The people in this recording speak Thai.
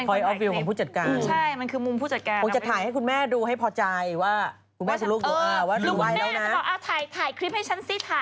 เขาจะลงมากราบฉันก็แล้วให้ถ่ายคิดว่าดูโลกจิตไปน่ะ